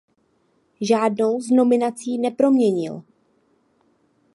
Žádnou z nominací neproměnil.